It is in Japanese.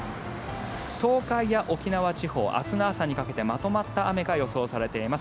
東海や沖縄地方明日の朝にかけてまとまった雨が予想されています。